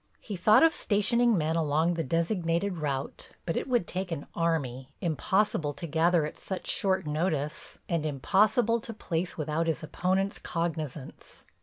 He thought of stationing men along the designated route but it would take an army, impossible to gather at such short notice and impossible to place without his opponent's cognizance.